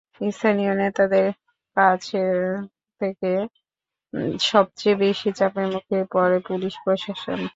স্থানীয় নেতাদের কাছ থেকে সবচেয়ে বেশি চাপের মুখে পড়ে পুলিশ প্রশাসন।